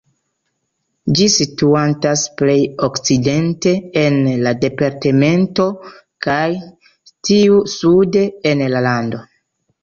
Ĝi situantas plej okcidente en la departemento, kaj tiu sude en la lando.